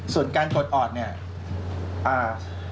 ส่วนการกดออดเนี่ยอ่า